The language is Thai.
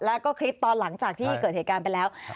แล้วก็คลิปตอนหลังจากที่เกิดเหตุการณ์ไปแล้ว